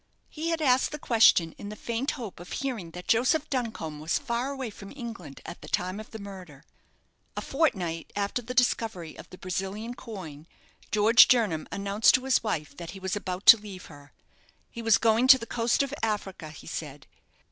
He had asked the question in the faint hope of hearing that Joseph Duncombe was far away from England at the time of the murder. A fortnight after the discovery of the Brazilian coin, George Jernam announced to his wife that he was about to leave her. He was going to the coast of Africa, he said.